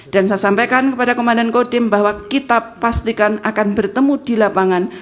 dan saya sampaikan kepada komandan kodim bahwa kita pastikan akan bertemu di lapangan